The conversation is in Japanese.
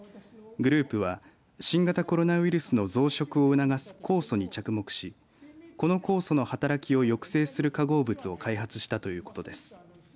グループは新型コロナウイルスの増殖を促す酵素に着目しこの酵素の働きを抑制する化合物を開発したということです。